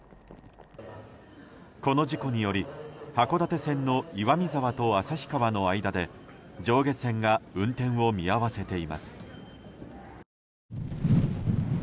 この事故により函館線の岩見沢と旭川の間で、上下線が運転を見合わせています。